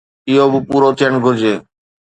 اهو به پورو ٿيڻ گهرجي.